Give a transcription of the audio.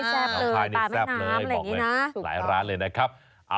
หนองคลายนี้แซ่บเลยหลายร้านเลยนะครับ